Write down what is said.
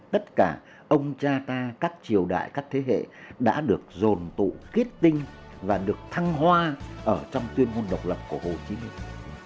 tất cả ông cha ta các triều đại các thế hệ đã được dồn tụ kết tinh và được thăng hoa ở trong tuyên ngôn độc lập của hồ chí minh